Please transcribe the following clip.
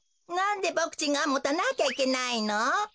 なんでボクちんがもたなきゃいけないの？